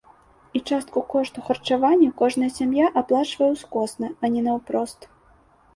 І частку кошту харчавання кожная сям'я аплачвае ўскосна, а не наўпрост.